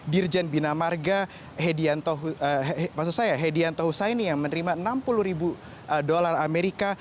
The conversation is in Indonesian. dirjen binamarga hedianto husaini yang menerima enam puluh ribu dolar amerika